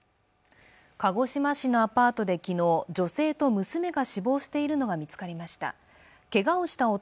鹿児島市のアパートで昨日、女性と娘が死亡しているのが見つかりました。